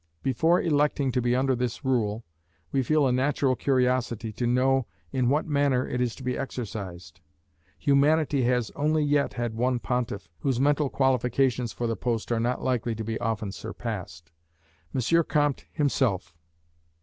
Before electing to be under this rule, we feel a natural curiosity to know in what manner it is to be exercised. Humanity has only yet had one Pontiff, whose mental qualifications for the post are not likely to be often surpassed, M. Comte himself.